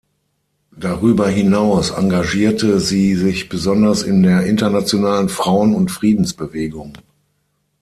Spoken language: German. Darüber hinaus engagierte sie sich besonders in der internationalen Frauen- und Friedensbewegung.